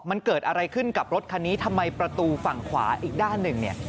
มันเกิดอะไรขึ้นกับรถคันนี้ทำไมประตูฝั่งขวาอีกด้านหนึ่งเนี่ย